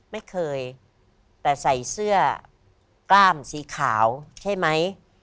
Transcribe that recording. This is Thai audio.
ไม่เคยแต่ใส่เสื้อกล้ามสีขาวใช่ไหม